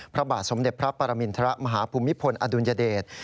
พระบาทสมเด็จพระปรมินทรมาฮภูมิพลอดุลยเดช